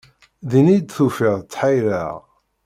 Din iyi-d tufiḍ tḥeyṛeɣ.